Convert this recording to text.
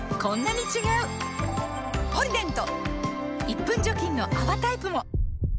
１分除菌の泡タイプも！